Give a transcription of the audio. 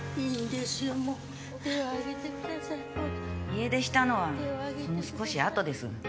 家出したのはその少し後です。